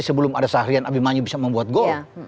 sebelum ada sahrian abimanyu bisa membuat gol